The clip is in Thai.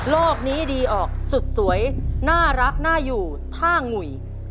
นี้ดีออกสุดสวยน่ารักน่าอยู่ท่างุ่ย